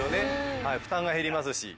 負担が減りますし。